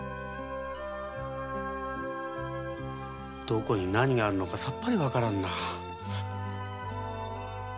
どこに何があるのか分からんな。